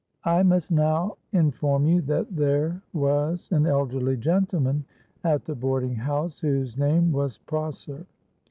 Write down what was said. "I must now inform you that there was an elderly gentleman at the boarding house, whose name was Prosser.